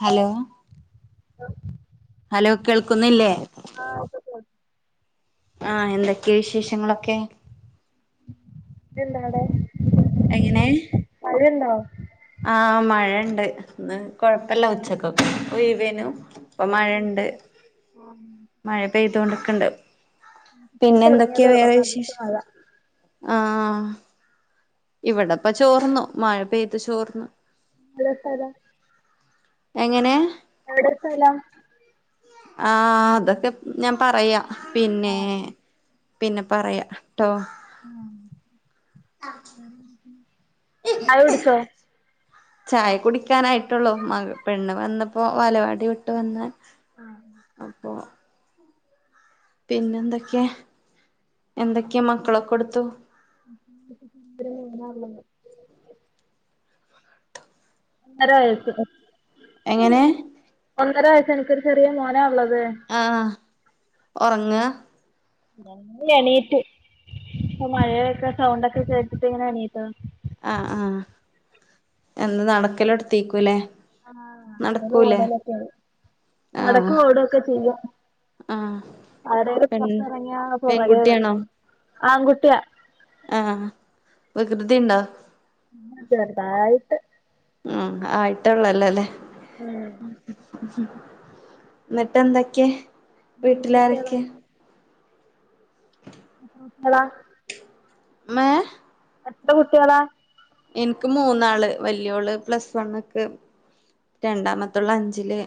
Hello [unintelligible] hello കേൾക്കുന്നില്ലേ [unintelligible] ആഹ് എന്തൊക്കെ വിശേഷങ്ങളൊക്കെ ജ്ജ് ണ്ടവടെ എങ്ങനെ മഴണ്ടോ ആഹ് മഴണ്ട് ഇന്ന് കൊഴപ്പല്ല ഉച്ചക്കൊക്കെ ഒയിവേനു ഇപ്പൊ മഴണ്ട് മഴ പെയ്തോണ്ടിക്ക്‌ണ്ട് പിന്നെ ഇപ്പൊ എന്തൊക്കെയാ തുടങ്ങിയതേയുള്ളൂ വേറെ നല്ല വിശേഷം? മഴ ആഹ് ഇവിടെപ്പ ചോർന്നു മഴ പെയ്ത് ചോർന്നു എവിടെ സ്ഥലം എങ്ങനെ എവിടെ സ്ഥലം ആഹ് അതൊക്കെ ഞാൻ പറയാ പിന്നെ പിന്നെ പറയാ ട്ടോ ചായൊടിച്ചോ ചായ കുടിക്കാനായിട്ടുള്ളൂ മക പെണ്ണ് വന്ന്പ്പോ വാലവാടി വിട്ട് വന്ന് അപ്പൊ പിന്നെന്തൊക്കെ എന്തൊക്കെയാ മക്കളൊക്കെ എടുത്തു [unintelligible] നേരായോ എങ്ങനെ ഒന്നര വയസ്സ് എനിക്കൊരു ചെറിയ മോനാ ഉള്ളത് ആഹ് ഒറങ്ങ [unintelligible] ണീറ്റു ഇപ്പ മഴയൊക്കെ സൗണ്ട് ഒക്കെ കേട്ടിട്ട് ഇങ്ങനെ എണീറ്റതാ ആഹ് ആഹ് എന്താ നടക്കലൊടത്തീക്കൂല്ലേ ആഹ് നടക്കലും ഓടലൊക്കെ ആണ് ആഹ് നടക്കും ഓടൊക്കെ ചെയ്യും ആഹ് ആരേലും പെൺ പുറത്തിറങ്ങിയാ പെൺകുട്ടിയാണോ പുറകെവരണം ആങ്കുട്ടിയാ ആഹ് വികൃതിണ്ടോ ചെർതായിട്ട് ആഹ് ആയിട്ടൊള്ളല്ലോ ല്ലേ ഉം ന്നിട്ട് എന്തൊക്കെ എത്ര കുട്ടികളാ വീട്ടിലാരൊക്കെ [unintelligible] മ്മേ എത്ര കുട്ടികളാ ഇൻക്ക് മൂന്നാള് വലിയോള് പ്ലസ് വണ്ണ്ക്ക്‌ രണ്ടാമത്തോള് അഞ്ചില്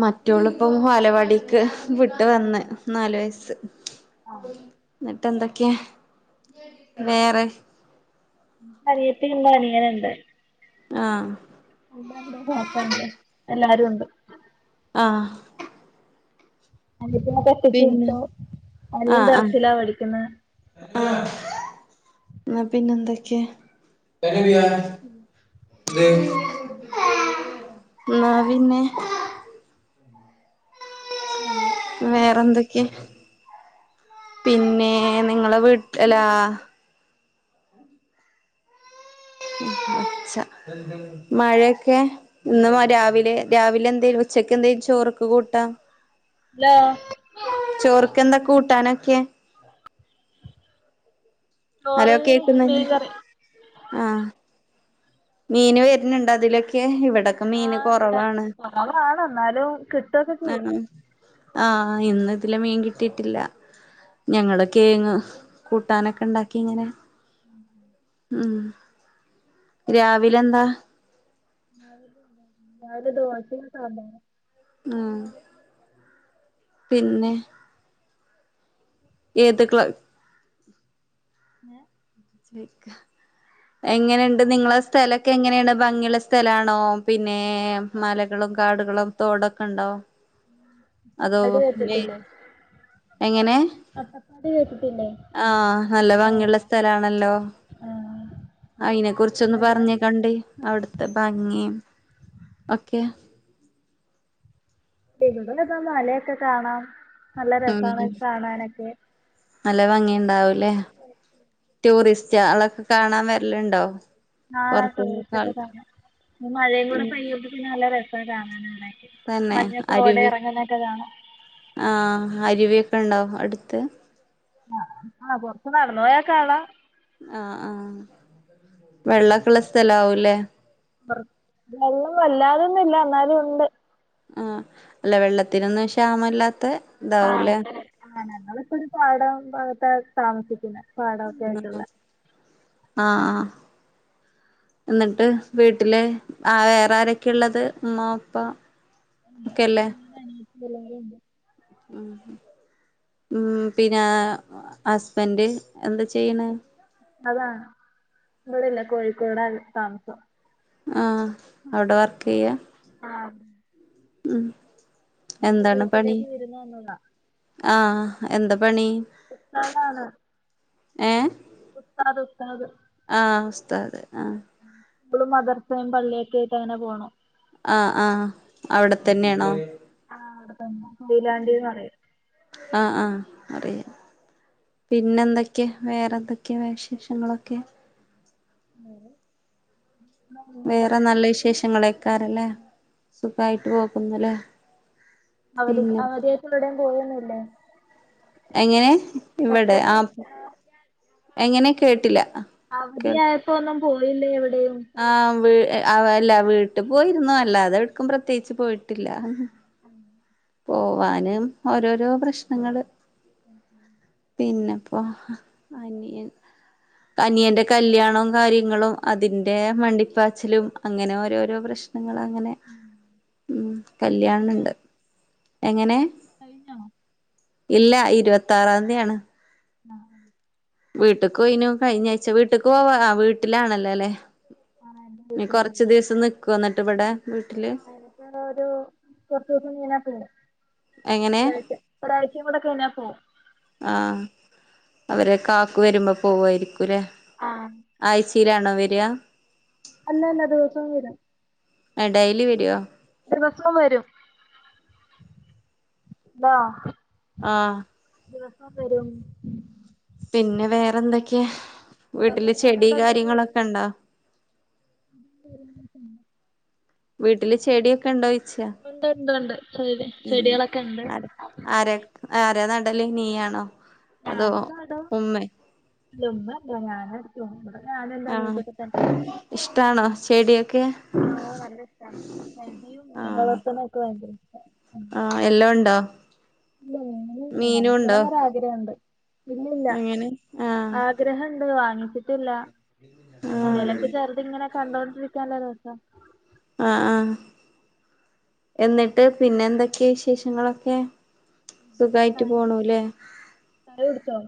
മറ്റോളിപ്പം വാലവാടിക്ക് വിട്ട് വന്ന് നാലു വയസ് എന്നിട്ട് ന്തൊക്കെ വേറെ അനിയത്തീണ്ട് അനിയനുണ്ട് ആഹ് ഉമ്മ ഉണ്ട് വാപ്പ ഉണ്ട് എല്ലാരും ഉണ്ട് ആഹ് അനത്തിനെ കെട്ടിച്ച് പിന്നെ വിട്ടു അനിയൻ ആഹ് ദർസിലാ പഠിക്കുന്നേ ആഹ് ന്നാ പിന്നെന്തൊക്കെ ന്നാ പിന്നെ ഉം വേറെന്തൊക്കെ പിന്നെ നിങ്ങളെ വീട്ട് അല്ലാ ഒച്ച മഴക്കെ ഇന്ന് രാവിലെ രാവിലെ എന്തേലും ഉച്ചക്ക് എന്തേലും ചോറ്ക്ക് കൂട്ടാ ല്ലാ ചോർക്കെന്താ കൂട്ടാനൊക്കെ? ഹലോ ചോറിന് കേക്കുന്നില്ലേ മീൻകറി ആഹ് മീന് വരുന്നുണ്ടോ അതിലൊക്കെ ഇവടെ ആഹ് ഇവടെ കൊറവാണ് എന്നാലും കിട്ടൊക്കെ ചെയ്യും ആണോ ആഹ് ഇന്ന്‌ ഇതിലെ മീൻ കിട്ടിട്ടില്ല ഞങ്ങള് കേങ്ങ് കൂട്ടാനൊക്കെ ഉണ്ടാക്കി ഇങ്ങനെ ഉം ഉം രാവിലെ എന്താ? രാവിലെ ദോശയും സാമ്പാറും ആഹ് പിന്നെ ഏതുക്കള് ഏഹ് [unintelligible] എങ്ങനെയുണ്ട് നിങ്ങളെ സ്ഥലൊക്കെ എങ്ങനെയാണ് ഭംഗിയുള്ള സ്ഥലണോ? പിന്നേ മലകളും കാടുകളും തോടൊക്കെണ്ടാവും അതോ അട്ടപ്പാടി പിന്നെയ് കേട്ടിട്ടില്ലേ എങ്ങനേ അട്ടപ്പാടി കേട്ടിട്ടില്ലേ ആഹ് നല്ല ഭംഗിയുള്ള സ്ഥലാണല്ലോ ആഹ് അയ്നെ കുറിച്ചൊന്ന് പറഞ്ഞേ കണ്ടേ അവിടുത്തെ ഭംഗിം ഓക്കെ [unintelligible] മലയൊക്കെ കാണാം നല്ല ഉം രസാണ് കാണാനൊക്കെ നല്ല ഭംഗിയുണ്ടാവൂലേ ടൂറിസ്റ്റാളൊക്കെ കാണാൻ വരലുണ്ടോ ആഹ് പുറത്തുന്നൊക്കെ ടൂറിസ്റ്റൊക്കെ ആൾക്കാ കാണാം ഈ മഴയും കൂടെ ഉം പെയ്യുമ്പ പിന്നെ നല്ല രസം കാണാനവിടെ തന്നെ മഞ്ഞകോടെ ഒക്കെ അരുവി ഇറങ്ങുന്നതൊക്കെ കാണാ ആഹ് ആരിവേപ്പ്ണ്ടോ അടുത്ത് ആഹ് ആഹ് കൊറച്ച് നടന്നു പോയാ കാണാ ആഹ് ആഹ് വെള്ളൊക്കള്ള സ്ഥല ആവുല്ലേ വെള്ളം വല്ലാതൊന്നുല്ല എന്നന്നാലും ഉണ്ട് ആഹ് അല്ല വെള്ളത്തിനൊന്നും ക്ഷാമല്ലാത്ത ആഹ് ആഹ് ഇതാവൂലേ അങ്ങനെ ഞങ്ങ [unintelligible] ഒരു പാടം ഭാഗത്ത താമസിക്കുന്നേ ഉം ആഹ് ആഹ് എന്നിട്ട് വീട്ടില് ആ വേറെ ആരൊക്കെ ഉള്ളത് ഉമ്മാ ഉപ്പാ ഒക്കെല്ലേ രണ്ടാനിയത്തി മാരുണ്ട് ഉം പിന്നെ ഹസ്ബന്റ് എന്താ ചെയ്യണ് അതാണ് ഇവിടെല്ല കോഴിക്കോടാണ് താമസം ആഹ് അവിടെ വർക്ക് ചെയ്യാ ആഹ് ഉം എന്താണ് പണി വീട്ടിലേക്ക് വിരുന്ന് വന്നതാണ് ആഹ് എന്താ പണി [unintelligible] ഏഹ് ഉസ്താദ് ഉസ്താദ് ആഹ് ഉസ്താദ് ആഹ് സ്കൂളും മദർസും പള്ളിയൊക്കെ ആയിട്ട് അങ്ങനെ പോണു ആഹ് ആഹ് അവിടെ തന്നേണോ ആഹ് അവിടെ തന്നെ കൊയിലാണ്ടിന്ന് പറയും ആഹ് ആഹ് അറിയാ പിന്നെ എന്തൊക്കെ വേറെ എന്തൊക്കെയ വിശേഷങ്ങളൊക്കെ. വേറെ വേറെ നല്ല വിശേഷങ്ങളയ്ക്കാരംല്ലേ സുഖായിട്ട് പോക്കുന്നല്ലേ. അവര് അവധിയായിട്ട് ഇവിടയും പോയൊന്നുല്ലേ. എങ്ങനെ ഇവിടെ ആഹ് എങ്ങനെ കേട്ടില്ല. കേൾ അവധിയായപ്പോ ഒന്നും പോയില്ലേ എവിടെയും. ആഹ് വീ അല്ല വീട്ടിൽ പോയിരുന്നു അല്ല അത എടുക്കും പ്രത്യേകിച്ച് പോയിട്ടില്ല. ആഹ് പോവാനും ഓരോരോ പ്രശ്നങ്ങള് ഉം ഉം പിന്നെപ്പോ അനിയൻ. അനിയന്റെ കല്യാണവും കാര്യങ്ങളും അതിന്റെ മണ്ടിപ്പാച്ചലും അങ്ങനെ ഓരോരോ പ്രശ് ഞങ്ങളങ്ങനെ ഉം കല്യാണം കഴിഞ്ഞോ കല്യാണണ്ട്. എങ്ങനെ കഴിഞ്ഞോ ഇല്ല ഇരുപത്തറാന്തിയാണ്. ആഹ് വീട്ടകൊയിനു കഴിഞ്ഞ ആഴ്ച്ച വീട്ടക്ക് പോവാ അ വീട്ടിലാണല്ലോ ല്ലെ. ആ എന്റെ ഇനി വീട്ടിലല്ല കൊറച്ച ദിവസം നിക്കോ എന്നിട്ട് ഇവിടെ വീട്ടില്. [unintelligible] ഒരു കുറച്ചുസം ഇങ്ങനെ [unintelligible] എങ്ങനെ ഒരാഴ്ച ഒരയച്ചേക്കൂടെ കയിഞ്ഞ പോവും. ആഹ അവരെ കക്കു വരുമ്പോ പോവായിരിക്കൂല്ലേ ആ ആയി തീരാണോ വര്യ അല്ലല്ല ദിവസവും വരും. ആ ഡെലി വരോ ദിവസവും വരും [unintelligible] ആഹ് ദിവസം വരും. പിന്നെ വേറെ എന്തൊക്കെയ നിങ്ങക്ക് വീട്ടില് ചെടി അവിടെ എന്താ ജോലി കാര്യങ്ങളൊക്കെ ഉണ്ടോ. [inaudible] വീട്ടില് ചെടിയൊക്കെ ണ്ടൊയി ഉണ്ട് ഉണ്ട് ഉണ്ട് ചെ ചെടികളൊക്കെ ഉണ്ട്. ആര ആര ആരാ നണ്ടല്ലേ നീ ആണോ. ഞാനു നടു [unintelligible] ആഹ് ഇഷ്ടാണോ ചെടിയൊക്കെ ആഹ് നല്ല ഇഷ്ട [unintelligible] മീൻ ആഹ് പ്രവർത്തന ഒക്കെ ഭയങ്കര ഇഷ്ട ആഹ് എല്ലാം ഉണ്ടോ [unintelligible] മീനും ഉണ്ടോ [unintelligible] ണ്ട് ഇല്ലല്ല അങ്ങനെ ആഹ് ആഗ്രഹുണ്ട് വാങ്ങിച്ചിട്ടില്ല. ആഹ് എന്തേലൊക്കെ ചെറുത ഇങ്ങനെ കണ്ടോണ്ടിരിക്കാനല്ലരസം ആഹ് ആഹ് എന്നിട്ട് പിന്നെ എന്തൊക്കെയ വിശേഷങ്ങളൊക്കെ. സുഖായിട്ട് പോണു ല്ലെ ചായ കുടിച്ചോ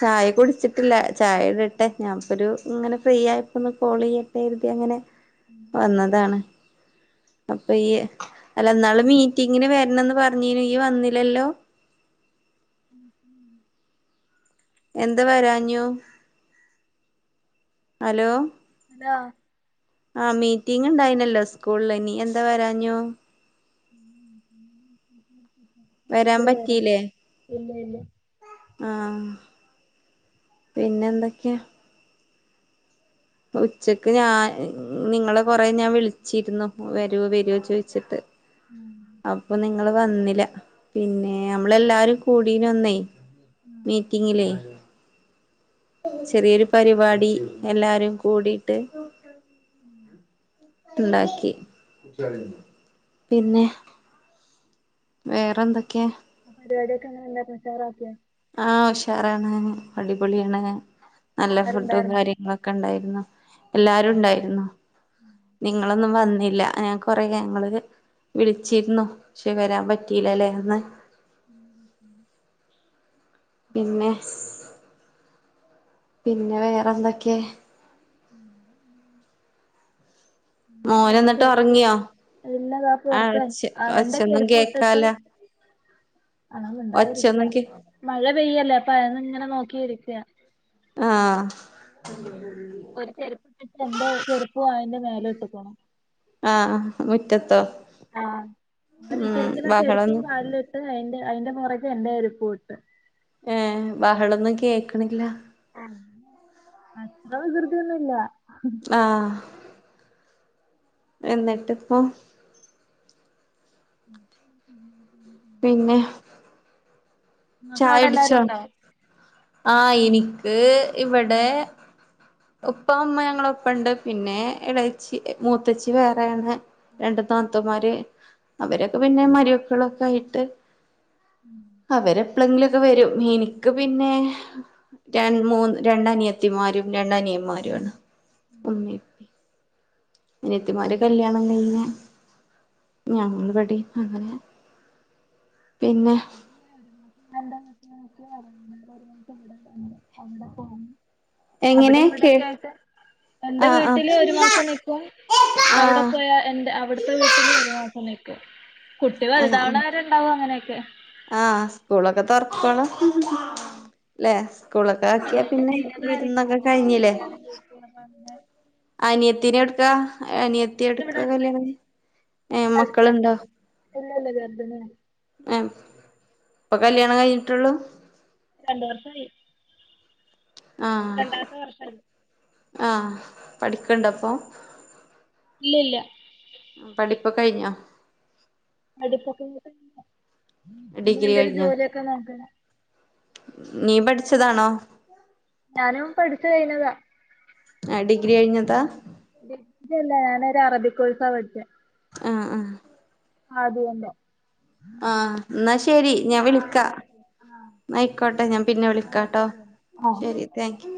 ചായ കുടിച്ചിട്ടില്ല ചായ ഇടട്ടെ ഞാൻപ്പൊ ഒരു ഇങ്ങനെ ഫ്രീ ആയപ്പോ ഒന്ന് കോൾ ചെയ്യട്ടെര്തി അങ്ങനെ വന്നതാണ്. പ്പയ്യി അല്ല എന്നാള് മീറ്റിങ്ങിന് വരണന്ന് പറഞ്ഞിനു യ്യി വന്നില്ലല്ലോ. [inaudible] എന്താ വരാഞ്ഞു. ഹലോ. ഹലോ ആഹ മീറ്റിങ് ഉണ്ടായിനല്ലോ സ്കൂളിൽ നി എന്താ വരാഞ്ഞു. വരാൻ [unintelligible] ഇല്ല ല്ല ആഹ്‌ പിന്നെന്തൊക്കെയാ ഉച്ചക്ക് ഞാ നിങ്ങളെ കൊറെ ഞാൻ വിളിച്ചിരുന്നു വെരോ വെരോ ചോയി ച്ചിട്ട് ഉം അപ്പൊ നി ങ്ങള് വന്നില്ല പിന്നെ മ്മളെല്ലാരും കൂടിന ന്നേ ഉം ഉം മീറ്റിങ്ങിലേ ചെറിയൊരു പരിപാടി എല്ലാരും കൂടിട്ട് ണ്ടാക്കി പിന്നെ വേറെന്തൊക്കെ എല്ലാരോക്കെ എങ്ങനെ [unintelligible] ഉഷാറാക്കിയോ ആഹ് ഷാറാണ് അടിപൊളിയാണ് നല്ല എല്ലാരും ഫുഡും ഉണ്ടായിരുന്നോ കാര്യ ഇമ്മക്കെണ്ടായിരുന്നു എല്ലാരു ണ്ടായിരുന്നു. നിങ്ങള ന്നും വന്നില്ല ഞൻ കൊറേ ഞമ്മള് ക് വിളിച്ചിരുന്നു ക്ഷെ വരാൻ പറ്റീലലേ ന്ന്. [inaudible] പിന്നെ.. പിന്നെ വേറെന്തൊക്കെ. [unintelligible] മോന് എന്നിട്ട് ഉറങ്ങിയോ ഇല്ലതാ ആഹ് പൊറത്ത് ഒച്ച അവന്റെ ഒച്ചൊന്നും ചെരുപ്പിട്ട് ട്ട് കേക്കാല അങ്ങനൊന് ണ്ടായിരിക്ക ഒച്ചൊന്നും കേ മഴ പെയ്യല്ലേ അപ്പ അയൊന്ന്ങ്ങനെ നോക്കിരിയ്ക്ക. ആഹ് ചെരുപ്പിട്ടിട്ടെന്താഎന്റെ ചെരുപ്പ് അയി ന്റെ മേലട്ട്ക്ക്‌ണു ആഹ് മുറ്റത്തോ ആഹ് ഉം നട്ഇട്ടിരിക്കുന്ന ചെരുപ്പും ബഹളൊന്നും കാൽല് ന്റെ അയിന്റെ ആതിൻ്റ പുറകൊ എന്റെ ചൊരുപും ഉണ്ട്. ഏഹ്.. ബഹളൊന്നുംകേക്ക്ണില്ല. അത്ര വികൃർതീയൊന്നുല്ല. ആഹ്. എന്നിട്ട്പ്പം [inaudible] പിന്നേ. നിങ്ങക്ക് അവിടെ എല്ലാരും ചായുടിച്ചോ ഉണ്ടോ ആഹ് എനിക്ക് ഇവടെ. ഉപ്പ ഒമ്മ ഞങ്ങളൊപ്പണ്ട് പിന്നെ എളേച്ചി മൂത്തച്ചി വേറെയാണ്. രണ്ടു താത്തമാര് അവരൊക്കെ പിന്നെ മരൊക്കളൊക്കായിട്ട്. [inaudible] അവരെ പ്ലങ്കിലൊക്കെ വരും എനിക്ക് പിന്നെ ര മൂന്ന് രണ്ടനിയത്തിമാരും രണ്ടനിയമാരുംഇപ ഇമ്മിം. നിയത്തിമാര് കല്യാണം കയിഞ്ഞ് ഞങ്ങളവ്‌ടെ അങ്ങനെ. പിന്നെ ഒരു മാസം രണ്ട് മാസം നോക്കിയ അന്നേരം ഒരു മാസം ഇവിടെ അവിടെയും പോവും എങ്ങനെ കേട്ട് എന്റെ വീട്ടില് ഒരു മാസം നിക്കും അവിടെ ആഹ് പോയാ ന്റെ അവിടുത്തെ വീ ട്ടില് ഒരു മാസം നിക്കും കുട്ടിള് വൽ താവണവരെണ്ടാവും അങ്ങനെയൊക്കെ. ആഹഹ് സ്കൂളൊക്കെ തുറക്കൊളം. ഹ് ഹ് ആ ല്ലെ സ്കൂളൊക്കെ ഇപ്പൊ ആക്കിയാ കല്യാണം പിന്നെ കഴിഞ്ഞത് വരെ വിരുന്നൊക്കെ കയിഞ്ഞിലെ. അനിയത്തിനെവ്‌ട്ക്കാ അനിയത്തിട് ഇവിടെ ക്ക അടുത്ത് കല്യാൺ തന്നെ ഏ മക്കളുണ്ടോ? ഇല്ലാ ല്ല ചെറുതനൊ ആഹ്‌ ഇപ്പൊ കല്യാണം കഴിഞ്ഞിട്ടുള്ളൂ? രണ്ടു വർഷായി. ആഹ്‌ വർഷമായി ആഹ്‌ പഠിക്കണ്ടപ്പൊ? ഇല്ല ല്ല പഠിപ്പ്‌ കയിഞ്ഞോ? അടിപ്പൊക്ക ഇന്ന ഡിഗ്രി എന്ത ഒരു കഴിഞ്ഞോ ജോലിയൊക്കെ നോക്ക നീ പഠിച്ചതാണോ? ഞാനും പഠിച്ചു കഴിഞ്ഞതാ. ആ ഡിഗ്രി കഴിഞ്ഞതാ. ഡിഗ്രി അല്ല ഞാനൊരു അറബി കോഴ്സ പഠിച്ചത്. ആ ആ ആ അത് തന്നെ ആഹ ന്നാ ശെരി ഞാൻ ആ വിളിക്ക എന്നാ ശരി ആയിക്കോട്ടെ ഞാൻ പിന്നെ ആ വിളിക്കാട്ടോ ശരി എന്നാൽ ആ ശരി താങ്ക് യു